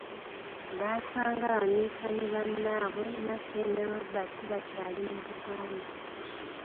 Baasanga Bamisani bannaabwe Mackay ne Robert bakyali mu Buganda.